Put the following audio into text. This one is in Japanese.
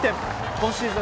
今シーズン